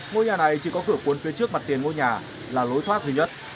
ngôi nhà này chỉ có cửa cuốn phía trước mặt tiền ngôi nhà là lối thoát duy nhất